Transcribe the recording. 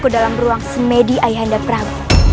ke dalam ruang semedi ayahanda prabu